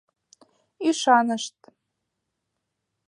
Ӱшанышт.